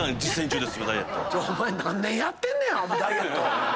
お前何年やってんねや⁉ダイエット。